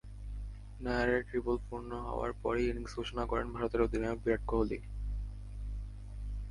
নায়ারের triple পূর্ণ হওয়ার পরই ইনিংস ঘোষণা করেন ভারতের অধিনায়ক বিরাট কোহলি।